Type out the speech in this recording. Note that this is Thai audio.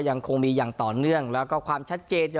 ยังคงมีอย่างต่อเนื่องแล้วก็ความชัดเจน